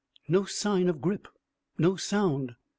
No sign of Grip: no sound.